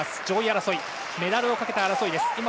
上位争いメダルをかけた争いです。